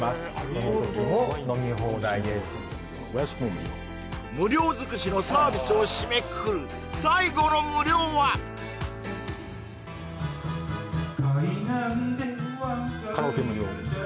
この時も飲み放題です無料尽くしのサービスを締めくくる最後の無料は海岸で若いカラオケ無料です